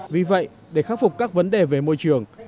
vì vậy để khắc phục các vấn đề về môi trường